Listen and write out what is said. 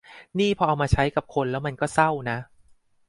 นี่พอเอามาใช้กับคนแล้วมันก็เศร้านะ